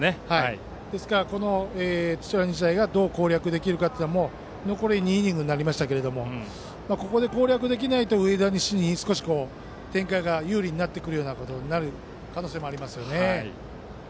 ですから、土浦日大がどう攻略できるかは残り２イニングですがここで攻略できないと上田西に少し展開が有利になってくる可能性もありますね。